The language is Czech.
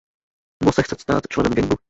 Mo se chce stát členem gangu.